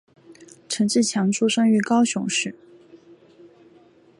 陈志强出生于高雄县。